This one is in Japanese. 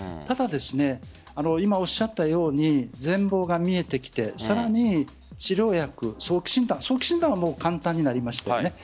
ただ、今おっしゃったように全貌が見えてきてさらに早期診断は簡単になりました。